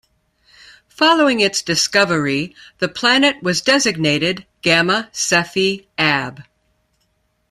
Following its discovery the planet was designated Gamma Cephei Ab.